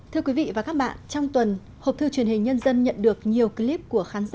thưa quý vị và các bạn trong tuần hộp thư truyền hình nhân dân nhận được nhiều clip của các bệnh viện